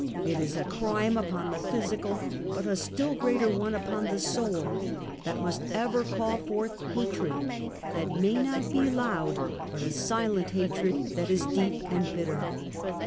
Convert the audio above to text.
It is a crime upon the physical but a still greater one upon the soul, that must ever call forth hatred that may not be loud, but a silent hatred that is deep and bitter.